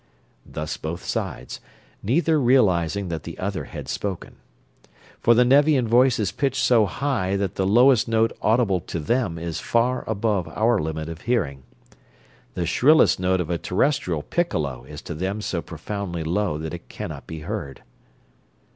Thus both sides, neither realizing that the other had spoken. For the Nevian voice is pitched so high that the lowest note audible to them is far above our limit of hearing. The shrillest note of a Terrestrial piccolo is to them so profoundly low that it cannot be heard.